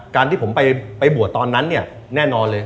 การที่ผมไปบวชตอนนั้นเนี่ยแน่นอนเลย